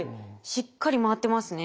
しっかり回ってますね。